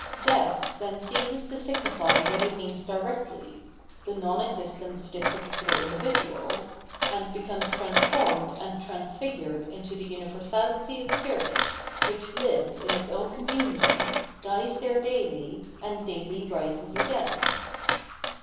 Death then ceases to signify what it means directly — the non existence of this particular individual — and becomes transformed and transfigured into the universality of spirit, which fives in its own communion, dies there daily, and daily rises again.